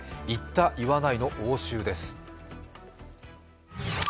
言った、言わないの応酬です。